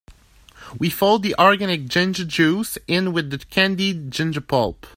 We fold the organic ginger juice in with the candied ginger pulp.